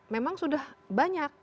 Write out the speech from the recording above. memang sudah banyak